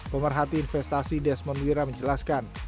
pemerhati investasi desmond wira menjelaskan